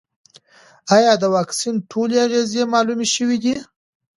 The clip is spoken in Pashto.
ایا د واکسین ټولې اغېزې معلومې شوې دي؟